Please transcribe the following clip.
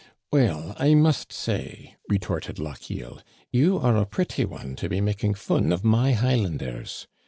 "Well, I must say," retorted Lochiel, "you are a pretty one to be making fun of my Highlanders